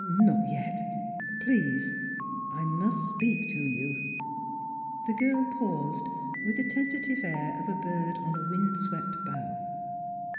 " Not yet please ! I must speak to you." The girl paused, with the tentative air of a bird on a windswept bough.